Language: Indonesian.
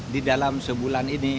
di dalam sebulan ini